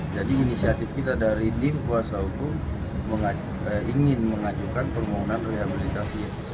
jadi inisiatif kita dari tim kuasa hukum ingin mengajukan permohonan rehabilitasi